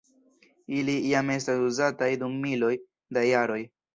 Ili jam estas uzataj dum miloj da jaroj.